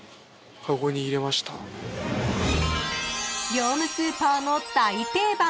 ［業務スーパーの大定番］